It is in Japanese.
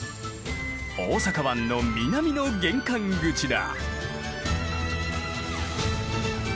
大阪湾の南の玄関口だ。